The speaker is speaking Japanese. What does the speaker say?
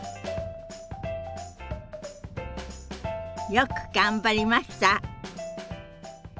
よく頑張りました。